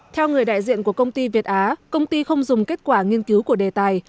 theo người đại diện của công ty việt á công ty không dùng kết quả nghiên cứu của đề tài